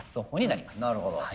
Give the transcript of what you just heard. なるほど。